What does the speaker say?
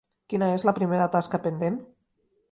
Quina és la primera tasca pendent?